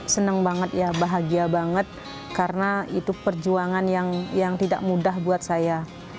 senang banget ya bahagia banget karena itu perjuangan yang tidak mudah buat saya